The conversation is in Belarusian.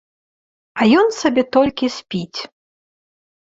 А ён сабе толькі спіць!